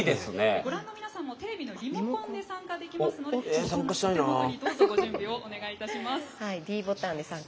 ご覧の皆さんもテレビのリモコンで参加できますのでお手元にご準備をお願いします。